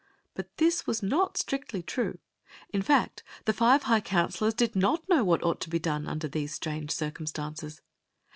But this was not strictly true. In fact, the five high counselors did not know what ought to be done under these strange circumstances.